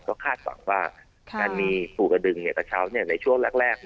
ก็คาดหวังว่าการมีภูกระดึงกระเช้าในช่วงแรก